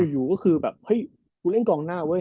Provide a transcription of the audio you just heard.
อยู่ก็คือแบบเฮ้ยกูเล่นกองหน้าเว้ย